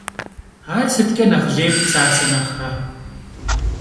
Ар сыткӏэ нэхъ лейт Цацэ нэхърэ?